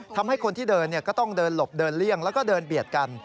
ทำให้คนที่เดินก็ต้องเดินหลบเดินเลี่ยงแล้วก็เดินเบียดกัน